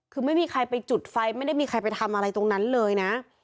คือไม่มีใครไปจุดไฟไม่ได้มีใครไปทำอะไรตรงนั้นเลยนะ